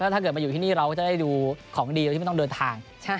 ถ้าเกิดมาอยู่ที่นี่เราก็จะได้ดูของดีโดยที่ไม่ต้องเดินทาง